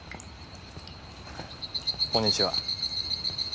こんにちは。